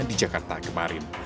di jakarta kemarin